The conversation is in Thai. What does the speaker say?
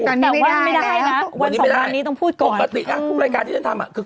แต่วันนี้ไม่ได้นะวัน๒วันนี้ต้องพูดก่อนโรคปกติไล่การที่เราทำคือ